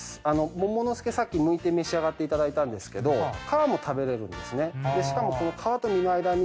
もものすけさっき剥いて召し上がっていただいたんですけど皮も食べられるんですね。